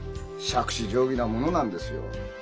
杓子定規なものなんですよ。